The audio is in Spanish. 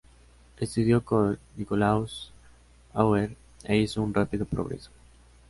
Estudió con Nikolaus Auer e hizo un rápido progreso.